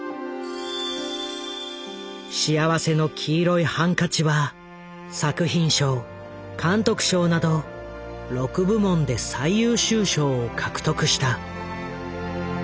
「幸福の黄色いハンカチ」は作品賞監督賞など６部門で最優秀賞を獲得した。